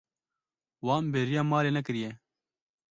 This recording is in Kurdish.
Wan bêriya malê nekiriye.